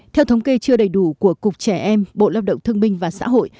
theo thông kê chưa đầy đủ của cục trẻ em bộ lập động thương minh và xã hội